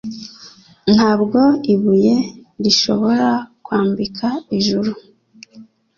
Ntabwo ibuye rishobora kwambika ijuru